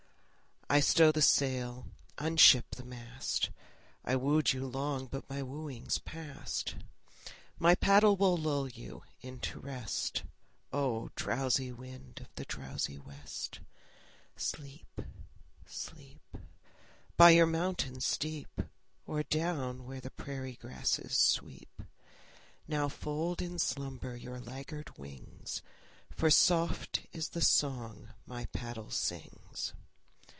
I stow the sail, unship the mast: I wooed you long but my wooing's past; My paddle will lull you into rest. O! drowsy wind of the drowsy west, Sleep, sleep, By your mountain steep, Or down where the prairie grasses sweep! Now fold in slumber your laggard wings, For soft is the song my paddle sings.